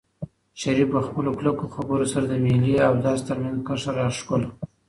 شریف په خپلو کلکو خبرو سره د مېلې او درس ترمنځ کرښه راښکله.